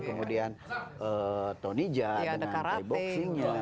kemudian tony jaa dengan thai boxing nya